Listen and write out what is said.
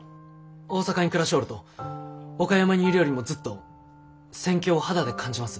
大阪に暮らしょうると岡山にいるよりもずっと戦況を肌で感じます。